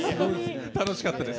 楽しかったです。